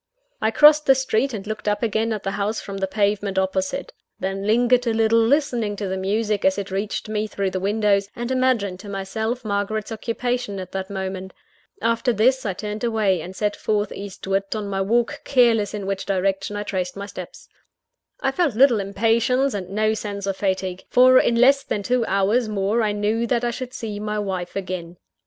I crossed the street, and looked up again at the house from the pavement opposite. Then lingered a little, listening to the music as it reached me through the windows, and imagining to myself Margaret's occupation at that moment. After this, I turned away; and set forth eastward on my walk, careless in which direction I traced my steps. I felt little impatience, and no sense of fatigue; for in less than two hours more I knew that I should see my wife again.